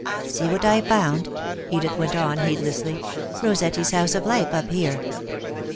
"See what I found," Edith went on, heedlessly. "Rossetti's House of Life, up here.